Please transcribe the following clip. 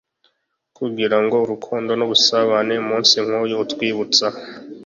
kugirango urukundo n’ubusabane umunsi nk’uyu utwibutsa